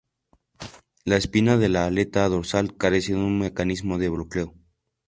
La espina de la aleta dorsal carece de un mecanismo de bloqueo.